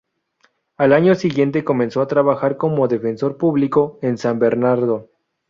Al año siguiente comenzó a trabajar como defensor público en San Bernardo.